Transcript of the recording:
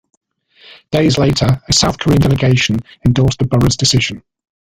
Days later, a South Korean delegation endorsed the borough's decision.